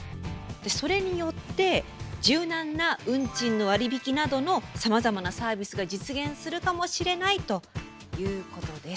それによって柔軟な運賃の割引などのさまざまなサービスが実現するかもしれないということです。